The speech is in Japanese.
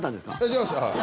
違いますよ。